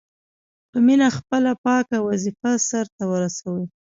په مینه خپله پاکه وظیفه سرته ورسوي.